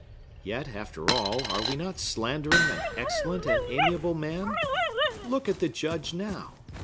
Yet, after all, are we not slandering an excellent and amiable man? Look at the Judge now!